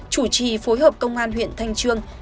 chủ trì phối hợp công an huyện thanh trương